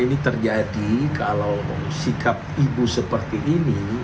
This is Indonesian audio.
dan jika bergabung di akhir kontestasi menurutnya akan mengganggu konsentrasi koalisi yang sudah dibentuk